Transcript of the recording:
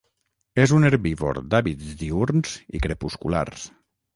És un herbívor d'hàbits diürns i crepusculars.